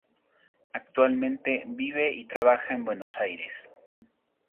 Actualmente, vive y trabaja en Buenos Aires.